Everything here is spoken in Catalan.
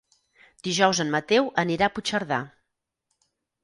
Dijous en Mateu anirà a Puigcerdà.